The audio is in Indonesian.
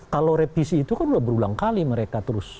kalau revisi itu kan sudah berulang kali mereka terus